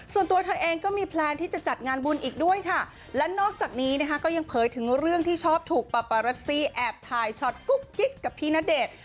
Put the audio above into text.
ส่วนตัวเธอเองก็มีแพลนที่จะจัดงานบุญอีกด้วยค่ะและนอกจากนี้นะคะก็ยังเผยถึงเรื่องที่ชอบถูกปาปารัสซี่แอบถ่ายช็อตกุ๊กกิ๊กกับพี่ณเดชน์